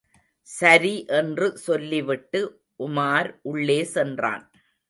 சரி என்று சொல்லிவிட்டு உமார் உள்ளே சென்றான்.